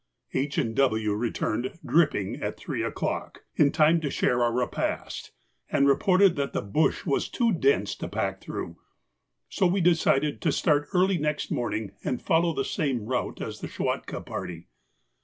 H. and W. returned dripping at three o'clock, in time to share our repast, and reported that the bush was too dense to pack through, so we decided to start early next morning and follow the same route as the Schwatka party.